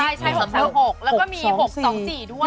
ใช่๖๓๖แล้วก็มี๖๒๔ด้วย